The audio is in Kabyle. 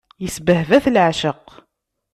Isbehba-t leεceq.